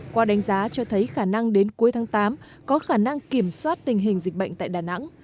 qua đánh giá cho thấy khả năng đến cuối tháng tám có khả năng kiểm soát tình hình dịch bệnh tại đà nẵng